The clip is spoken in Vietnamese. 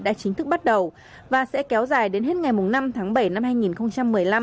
đã chính thức bắt đầu và sẽ kéo dài đến hết ngày năm tháng bảy năm hai nghìn một mươi năm